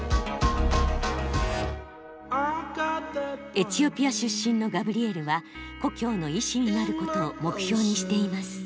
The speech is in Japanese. エチオピア出身のガブリエルは故郷の医師になることを目標にしています。